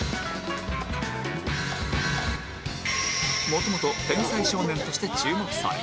もともと天才少年として注目され